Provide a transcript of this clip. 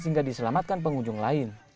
hingga diselamatkan pengunjung lain